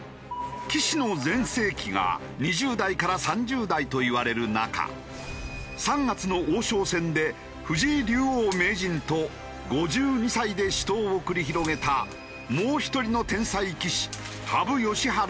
棋士の全盛期が２０代から３０代といわれる中３月の王将戦で藤井竜王・名人と５２歳で死闘を繰り広げたもう１人の天才棋士羽生善治九段。